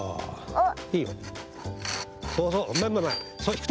あっ。